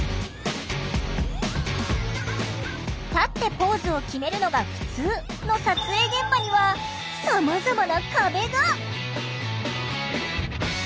「立ってポーズをきめるのがふつう」の撮影現場にはさまざまな壁が。